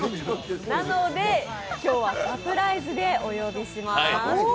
なので今日はサプライズでお呼びします。